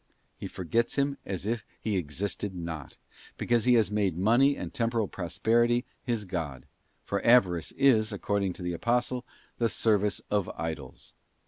He forgets Him as if He existed not, because he has made money and temporal prosperity his god; for avarice is, according to the Apostle, ' the service of idols.